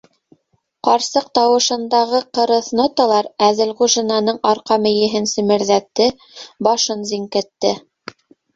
Ҡарсыҡ тауышындағы ҡырыҫ ноталар Әҙелғужинаның арҡа мейеһен семерҙәтте, башын зиңкетте.